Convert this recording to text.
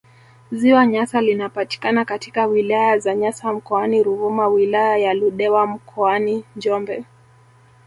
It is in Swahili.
Ziwa Nyasa linapita katika wilaya za Nyasa mkoani Ruvuma wilaya ya Ludewa mkoani Njombe